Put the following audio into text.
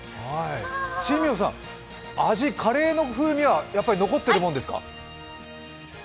新名さん、カレーの風味は残っているものですか？